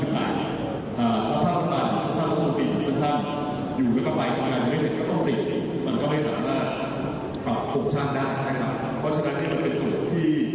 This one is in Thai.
และมันก็จะมีอัศวินการเงินในตามยุคภาคสุดี